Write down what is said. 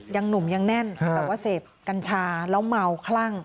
ยังหนุ่มยังแน่นแต่ว่าเสพกัญชาแล้วเมาคลั่ง